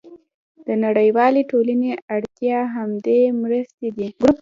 د نړیوالې ټولنې اړتیا همدا مرستې دي.